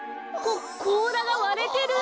ここうらがわれてる！